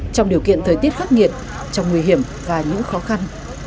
trong điều kiện thời tiết khắc nghiệt trong nguy hiểm và những khó khăn